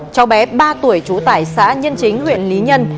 cháu bé ba tuổi chú tải xã nhân chính huyện lý nhân